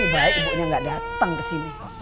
lebih baik ibunya gak datang kesini